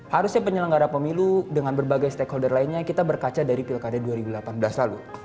harusnya penyelenggara pemilu dengan berbagai stakeholder lainnya kita berkaca dari pilkada dua ribu delapan belas lalu